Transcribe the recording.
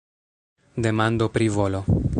Demando pri volo.